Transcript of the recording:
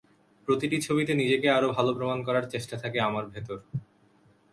প্রতিটি ছবিতে নিজেকে আরও ভালো প্রমাণ করার চেষ্টা থাকে আমার ভেতর।